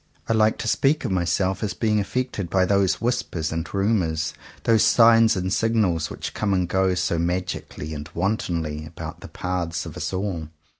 I like to speak of myself as being affected by those whispers and ru mours, those signs and signals, which come and go so magically and wantonly about the paths of us all.